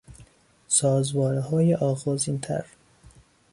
سازوارههای آغازین تر